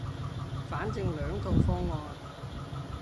反正兩套方案